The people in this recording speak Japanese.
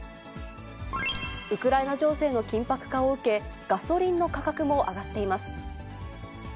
ウクライナ情勢の緊迫化を受け、ガソリンの価格も上がっています。